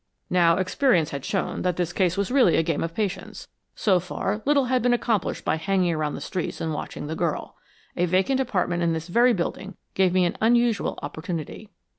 Now experience had shown that this case was really a game of patience. So far, little had been accomplished by hanging around the streets and watching the girl. A vacant apartment in this very building gave me an unusual opportunity."